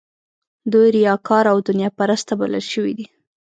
دوی ریاکار او دنیا پرسته بلل شوي دي.